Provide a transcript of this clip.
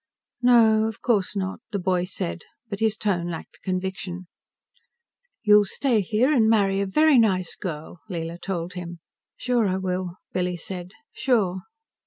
"No, of course not," the boy said, but his tone lacked conviction. "You'll stay here and marry a very nice girl," Leela told him. "Sure I will," Billy said. "Sure."